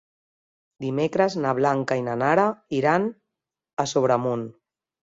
Dimecres na Blanca i na Nara iran a Sobremunt.